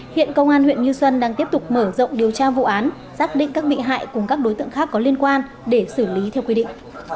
hiện công an huyện như xuân đang tiếp tục mở rộng điều tra vụ án xác định các bị hại cùng các đối tượng khác có liên quan để xử lý theo quy định